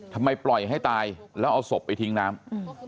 ทำไมปล่อยให้ตายแล้วเอาศพไปทิ้งน้ำ